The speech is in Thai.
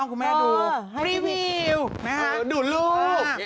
คุณแม่ดูดูรูป